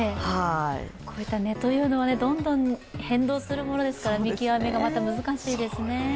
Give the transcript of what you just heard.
こういった値というのは変動するものですから見極めが難しいですね。